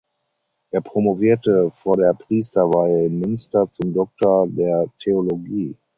Er promovierte vor der Priesterweihe in Münster zum Doktor der Theologie.